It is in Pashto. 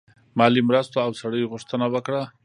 مالي مرستو او سړیو غوښتنه وکړه.